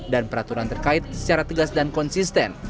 dan peraturan terkait secara tegas dan konsisten